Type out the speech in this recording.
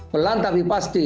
pelan tapi pasti